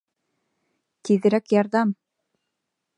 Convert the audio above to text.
Тиҙерәк ярҙам...